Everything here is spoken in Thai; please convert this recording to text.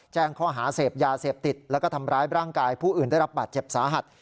แจ้งข้อหาเสพยาเสพติดแล้วก็ทำร้ายร่างกายผู้อื่นได้รับบาดเจ็บสาหัส